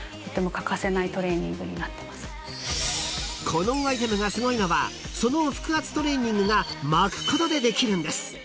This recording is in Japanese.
［このアイテムがすごいのはその腹圧トレーニングが巻くことでできるんです］